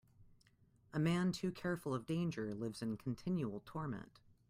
A man too careful of danger lives in continual torment.